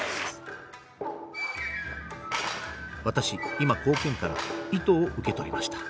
私今後見から糸を受け取りました。